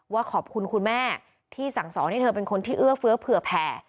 ว่าขอบคุณคุณแม่ที่สั่งสอนให้เธอเป็นคนที่เอื้อเฟื้อเผื่อแผ่